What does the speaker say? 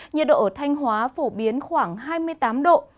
nhiệt độ ở thanh hóa phổ biến khoảng hai mươi tám độ